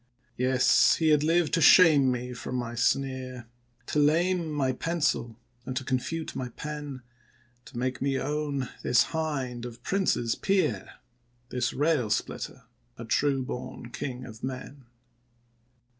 Yes, he had lived to shame me from my sneer, To lame my pencil, and confute my pen ; To make me own this hind of princes peer, This rail splitter a true born king of men.